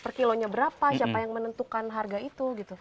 per kilonya berapa siapa yang menentukan harga itu gitu